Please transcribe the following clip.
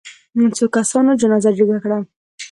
څو کسانو جنازه جګه کړه.